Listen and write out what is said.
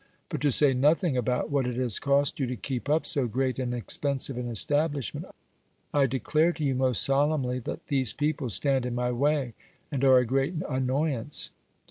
But to say nothing about what it has cost you to keep up so great and expensive an establishment, I declare to you most solemnly that these people stand in my way, and are a great annoyance.